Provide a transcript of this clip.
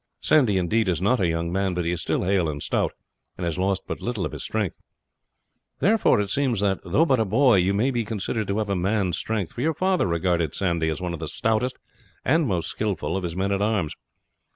Sandy, indeed is not a young man, but he is still hale and stout, and has lost but little of his strength. Therefore it seems that, though but a boy, you may be considered to have a man's strength, for your father regarded Sandy as one of the stoutest and most skilful of his men at arms.